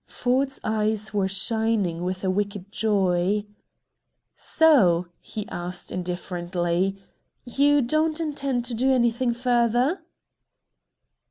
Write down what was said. Ford's eyes were shining with a wicked joy. "So," he asked indifferently, "you don't intend to do anything further?"